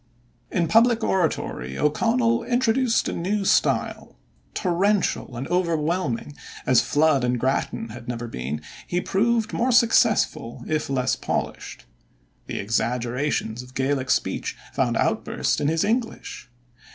In public oratory O'Connell introduced a new style. Torrential and overwhelming as Flood and Grattan had never been, he proved more successful if less polished. The exaggerations of Gaelic speech found outburst in his English.